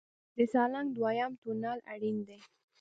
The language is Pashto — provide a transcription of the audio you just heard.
د سالنګ دویم تونل اړین دی